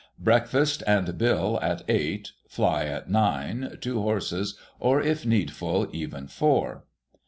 Breakfast and bill at eight. Fly at nine. Two horses, or, if needful, even four.